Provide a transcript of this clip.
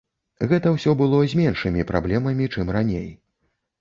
Гэта ўсё было з меншымі праблемамі, чым раней.